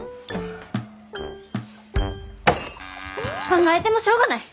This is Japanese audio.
考えてもしょうがない。